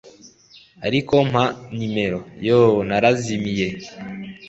ariko mpa nimero? yoo, narazimiye